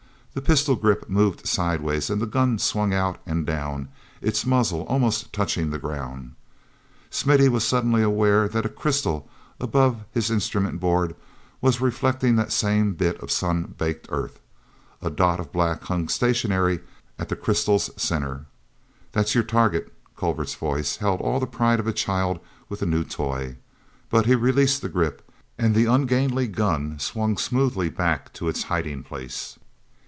The pistol grip moved sideways, and the gun swung out and down, its muzzle almost touching the ground. Smithy was suddenly aware that a crystal above his instrument board was reflecting that same bit of sun baked earth. A dot of black hung stationary at the crystal's center. "That's your target." Culver's voice held all the pride of a child with a new toy, but he released the grip, and the ungainly gun swung smoothly back to its hiding place.